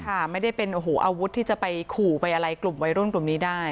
ค่ะไม่ได้เป็นโอ้โหอาวุธที่จะไปขู่ไปอะไรกลุ่มวัยรุ่นกลุ่มนี้ได้